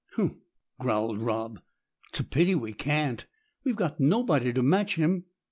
"Humph!" growled Rob. "It's a pity we can't. We've got nobody to match him."